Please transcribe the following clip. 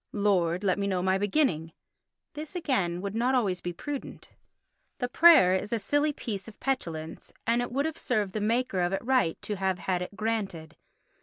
"Lord, let me know my beginning." This again would not be always prudent. The prayer is a silly piece of petulance and it would have served the maker of it right to have had it granted.